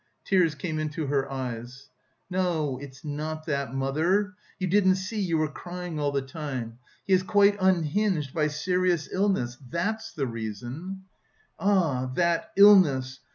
Tears came into her eyes. "No, it's not that, mother. You didn't see, you were crying all the time. He is quite unhinged by serious illness that's the reason." "Ah, that illness!